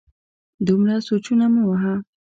دومره سوچونه مه وهه